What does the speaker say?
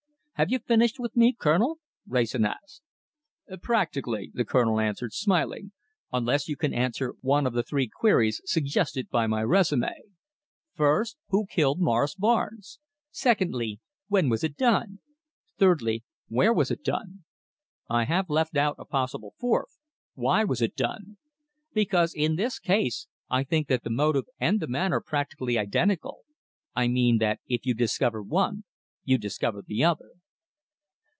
"Have you finished with me, Colonel?" Wrayson asked. "Practically," the Colonel answered, smiling, "unless you can answer one of the three queries suggested by my résumé. First, who killed Morris Barnes? Secondly, when was it done? Thirdly, where was it done? I have left out a possible fourth, why was it done? because, in this case, I think that the motive and the man are practically identical. I mean that if you discover one, you discover the other."